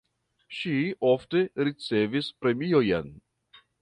Ŝi ofte ricevis premiojn.